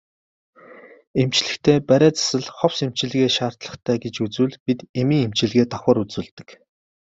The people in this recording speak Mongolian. Эмчлэхдээ бариа засал ховс эмчилгээ шаардлагатай гэж үзвэл бид эмийн эмчилгээ давхар үзүүлдэг.